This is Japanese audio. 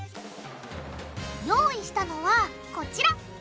用意したのはこちら。